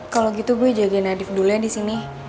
kalau gitu gue jagain nadif dulunya disini